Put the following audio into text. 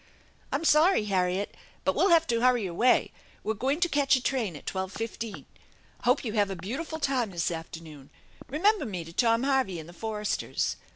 " I'm sorry, Harriet, but we'll have to hurry away. We're going to catch a train at twelve fifteen. Hope you have a beautiful time this afternoon. Eemember me to Tom Harvey and the Foresters.